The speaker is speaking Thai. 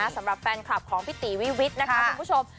สำหรับแฟนคลับของพี่ตีวิวิทย์นะคะคุณผู้ชม